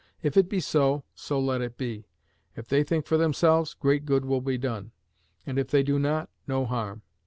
If it be so, so let it be. If they think for themselves, great good will be done; and if they do not, no harm.